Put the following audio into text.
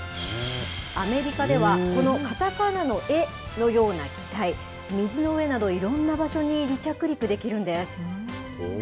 アメリカでは、このカタカナのエのような機体、水の上など、いろんな場所に離着陸できるんです。